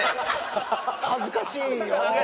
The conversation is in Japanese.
恥ずかしいよ。